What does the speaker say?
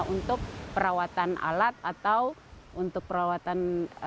untuk perawatan alat atau untuk perawatan